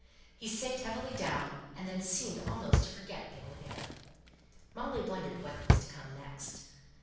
He sate heavily down, and then seemed almost to forget they were there. Molly wondered what was to come next.